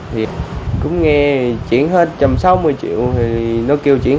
thì cũng nghe chuyển hết một trăm sáu mươi triệu thì nó kêu chuyển hai trăm linh